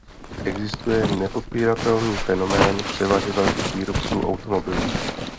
Existuje nepopíratelný fenomén převahy velkých výrobců automobilů.